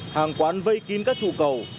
hàng quán vây kín các trụ cầu